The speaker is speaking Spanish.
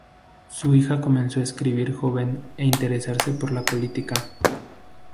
Su hija comenzó a escribir joven e interesarse por la política.